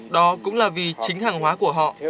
đó cũng là vì chính hàng hóa của họ